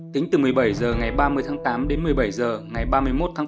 tính từ một mươi bảy h ngày ba mươi tháng tám đến một mươi bảy h ngày ba mươi một tháng tám